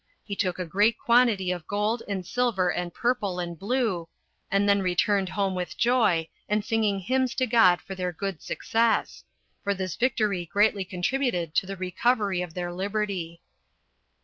He took a great quantity of gold, and silver, and purple, and blue, and then returned home with joy, and singing hymns to God for their good success; for this victory greatly contributed to the recovery of their liberty. 5.